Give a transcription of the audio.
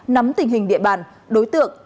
nắm tình hình địa bàn đối tượng